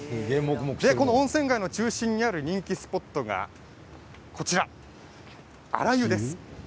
温泉街の中心にある人気スポットがこちら荒湯です。